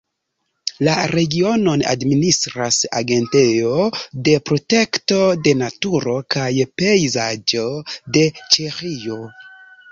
La regionon administras Agentejo de protekto de naturo kaj pejzaĝo de Ĉeĥio.